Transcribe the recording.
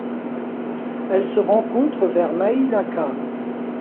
Elle se rencontre vers Mahilaka.